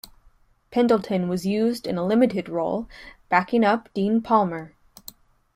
Pendleton was used in a limited role, backing up Dean Palmer.